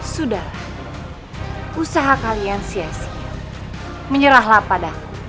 sudahlah usaha kalian sia sia menyerahlah padaku